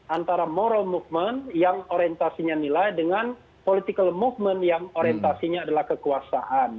antara moral movement yang orientasinya nilai dengan political movement yang orientasinya adalah kekuasaan